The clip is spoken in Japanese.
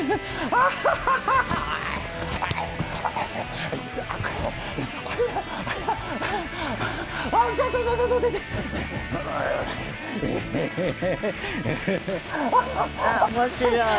あっ面白い！